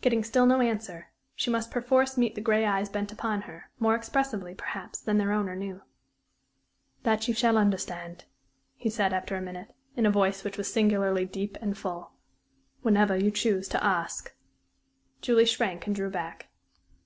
Getting still no answer, she must perforce meet the gray eyes bent upon her, more expressively, perhaps, than their owner knew. "That you shall understand," he said, after a minute, in a voice which was singularly deep and full, "whenever you choose to ask." Julie shrank and drew back.